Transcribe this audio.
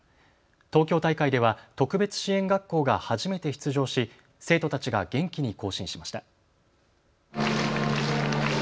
東京大会では特別支援学校が初めて出場し生徒たちが元気に行進しました。